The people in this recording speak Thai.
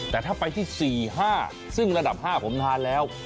แต่ถ้าไปที่๔๕ซึ่งระดับ๕ผมทานแล้ว